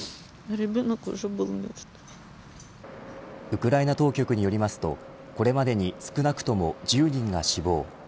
ウクライナ当局によりますとこれまでに少なくとも１０人が死亡。